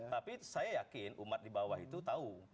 tapi saya yakin umat di bawah itu tahu